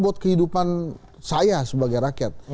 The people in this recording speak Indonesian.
buat kehidupan saya sebagai rakyat